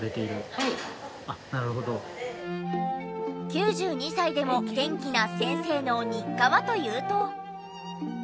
９２歳でも元気な先生の日課はというと。